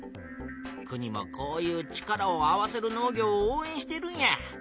国もこういう「力を合わせる農業」をおうえんしているんや。